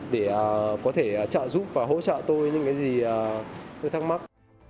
để có thể trợ giúp và hỗ trợ tôi những cái gì tôi thắc mắc